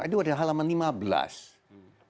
itu adalah halaman lima belas